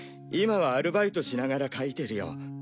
今はアルバイトしながら書いてるよ。